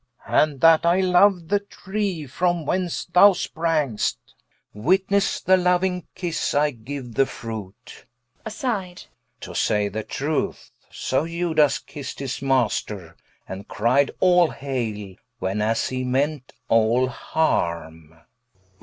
And that I loue the tree fro[m] whence y sprang'st: Witnesse the louing kisse I giue the Fruite, To say the truth, so Iudas kist his master, And cried all haile, when as he meant all harme King.